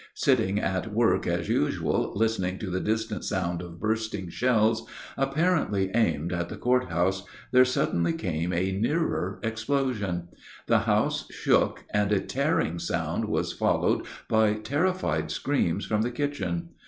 Sitting at work as usual, listening to the distant sound of bursting shells, apparently aimed at the court house, there suddenly came a nearer explosion; the house shook, and a tearing sound was followed by terrified screams from the kitchen.